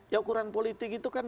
ya ukuran politik itu kan